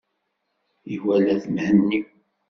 Iwala-t Mhenni.